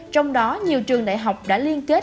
trong đó nhiều trường đại học đã liên kết